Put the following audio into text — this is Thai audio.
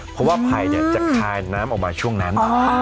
เพราะว่าภัยจะคายน้ำออกมาช่วงนั้น